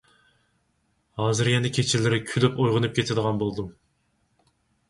ھازىر يەنە كېچىلىرى كۈلۈپ ئويغىنىپ كېتىدىغان بولدۇم.